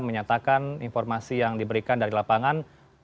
menyatakan informasi yang diberikan dari lapangan